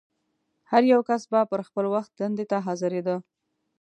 هر یو کس به پر خپل وخت دندې ته حاضرېده.